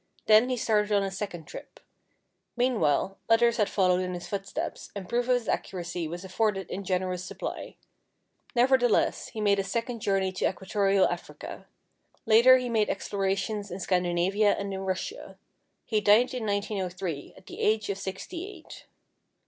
Then he started on a second trip. Meanwhile, others had followed in his footsteps, and proof of his accuracy was afforded in gen erous supply. Nevertheless, he made a second journey to Equatorial Africa. Later he made explorations in Scandi navia and in Russia. He died in 1903, at the age of sixty eight.